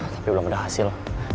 tapi belum ada hasil